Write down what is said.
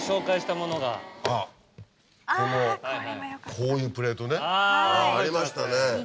こういうプレートねありましたね。